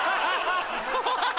ハハハ！